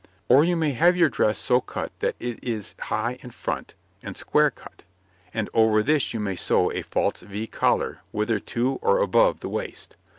Or you may have your dress so cut that it is high in front and square cut, and over this you may sew a false V collar wither to or above the waist.